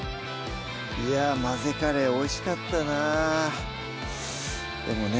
いやぁ「混ぜカレー」おいしかったなでもね